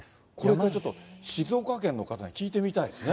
これちょっと、静岡県の方に聞いてみたいですね。